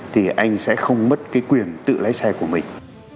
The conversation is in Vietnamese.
thì anh sẽ không mất cái quyền tự lái xe của mình